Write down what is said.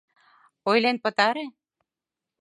Ойлен пытаре.